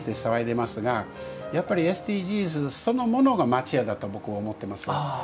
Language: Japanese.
今、ＳＤＧｓで騒いでいますがやっぱりＳＤＧｓそのものが町家だと僕は思ってます。